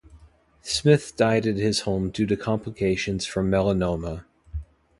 Smith died at his home due to complications from melanoma.